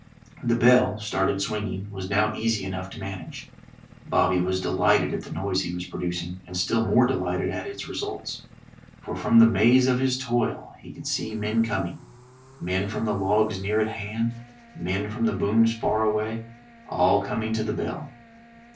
The bell, started swinging, was now easy enough to manage. Bobby was delighted at the noise he was producing, and still more delighted at its results. For from the maze of his toil he could see men coming — men from the logs near at hand, men from the booms far away — all coming to the bell.